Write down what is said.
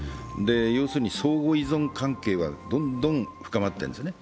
要するに相互依存関係はどんどん深まっているんですね。